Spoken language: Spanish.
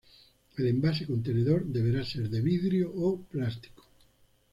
El envase contenedor deberá ser de vidrio o plástico.